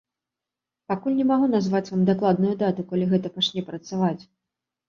Пакуль не магу назваць вам дакладную дату, калі гэта пачне працаваць.